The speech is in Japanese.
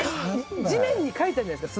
地面に書いたんじゃないですか？